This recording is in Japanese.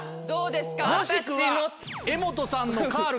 もしくは。